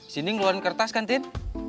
sindi ngeluarin kertas kan tin